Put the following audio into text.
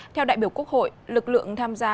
theo đại biểu quốc hội lực lượng tham gia